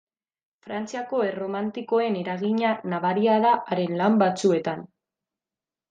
Frantziako erromantikoen eragina nabari da haren lan batzuetan.